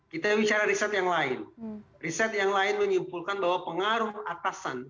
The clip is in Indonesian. kita bicara riset yang lain riset yang lain menyimpulkan bahwa pengaruh atasan